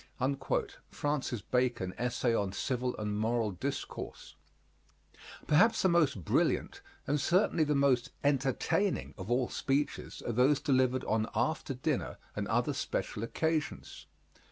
FRANCIS BACON, Essay on Civil and Moral Discourse. Perhaps the most brilliant, and certainly the most entertaining, of all speeches are those delivered on after dinner and other special occasions.